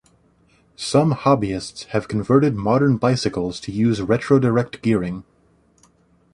Some hobbyists have converted modern bicycles to use retro-direct gearing.